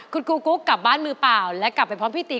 คุณครูกุ๊กกลับบ้านมือเปล่าและกลับไปพร้อมพี่ตี